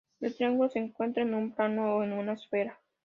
El triángulo se encuentra en un plano o en una esfera.